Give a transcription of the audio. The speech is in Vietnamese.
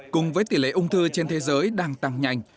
cùng với tỷ lệ ung thư trên thế giới đang tăng nhanh